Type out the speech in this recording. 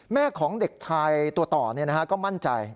แม่ของเด็กชายตัวต่อก็มั่นใจ